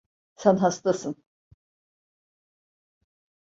Sen hastasın.